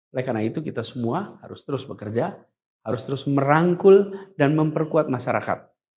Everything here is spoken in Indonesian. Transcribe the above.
oleh karena itu kita semua harus terus bekerja harus terus merangkul dan memperkuat masyarakat